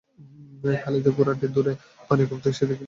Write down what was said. খালিদের ঘোড়াটি দূরে পানির কূপ দেখে সেদিকে যেতে থাকে।